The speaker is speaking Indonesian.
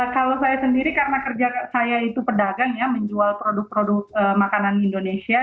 kalau saya sendiri karena kerja saya itu pedagang ya menjual produk produk makanan indonesia